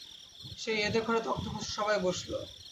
সেই এঁদো ঘরে তক্তপোশে সবাই বসল।